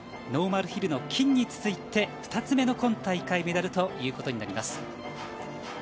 ノーマルヒルの金に続いて２つ目の今大会メダルということになります。